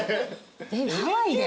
ハワイで？